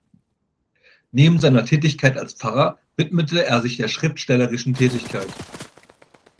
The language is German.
Neben seiner Tätigkeit als Pfarrer widmete er sich der schriftstellerischen Tätigkeit.